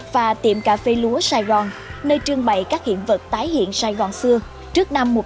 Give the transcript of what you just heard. và tiệm cà phê lúa sài gòn nơi trưng bày các hiện vật tái hiện sài gòn xưa trước năm một nghìn chín trăm bảy mươi năm